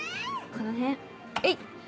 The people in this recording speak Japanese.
この辺えい！